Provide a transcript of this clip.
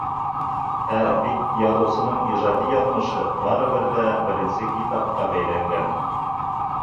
Ә бит яҙыусының ижади яҙмышы барыбер ҙә беренсе китапҡа бәйләнгән.